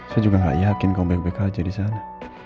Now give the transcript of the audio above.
saya juga gak yakin kaum baik baik saja di sana